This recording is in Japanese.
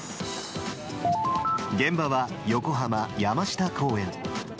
現場は、横浜・山下公園。